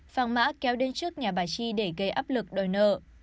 phàng mã kéo đến trước nhà bà chi để gây áp lực đòi nợ